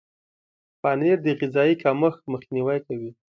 پنېر د غذایي کمښت مخنیوی کوي.